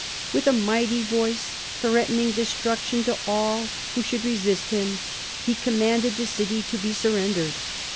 "With a mighty voice threatening destruction to all who should resist him, he commanded the city to be surrendered.